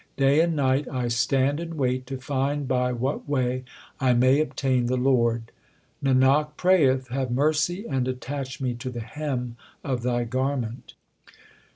Day and night I stand and wait to find by what way I may obtain the Lord. Nanak prayeth, have mercy and attach me to the hem of Thy garment.